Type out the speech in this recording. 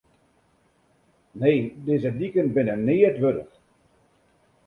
Nee, dizze diken binne neat wurdich.